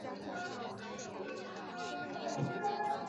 蒂朗蓬泰雅克。